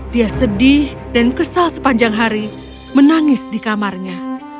dia sedih dan kesal sepanjang hari menangis di kamarnya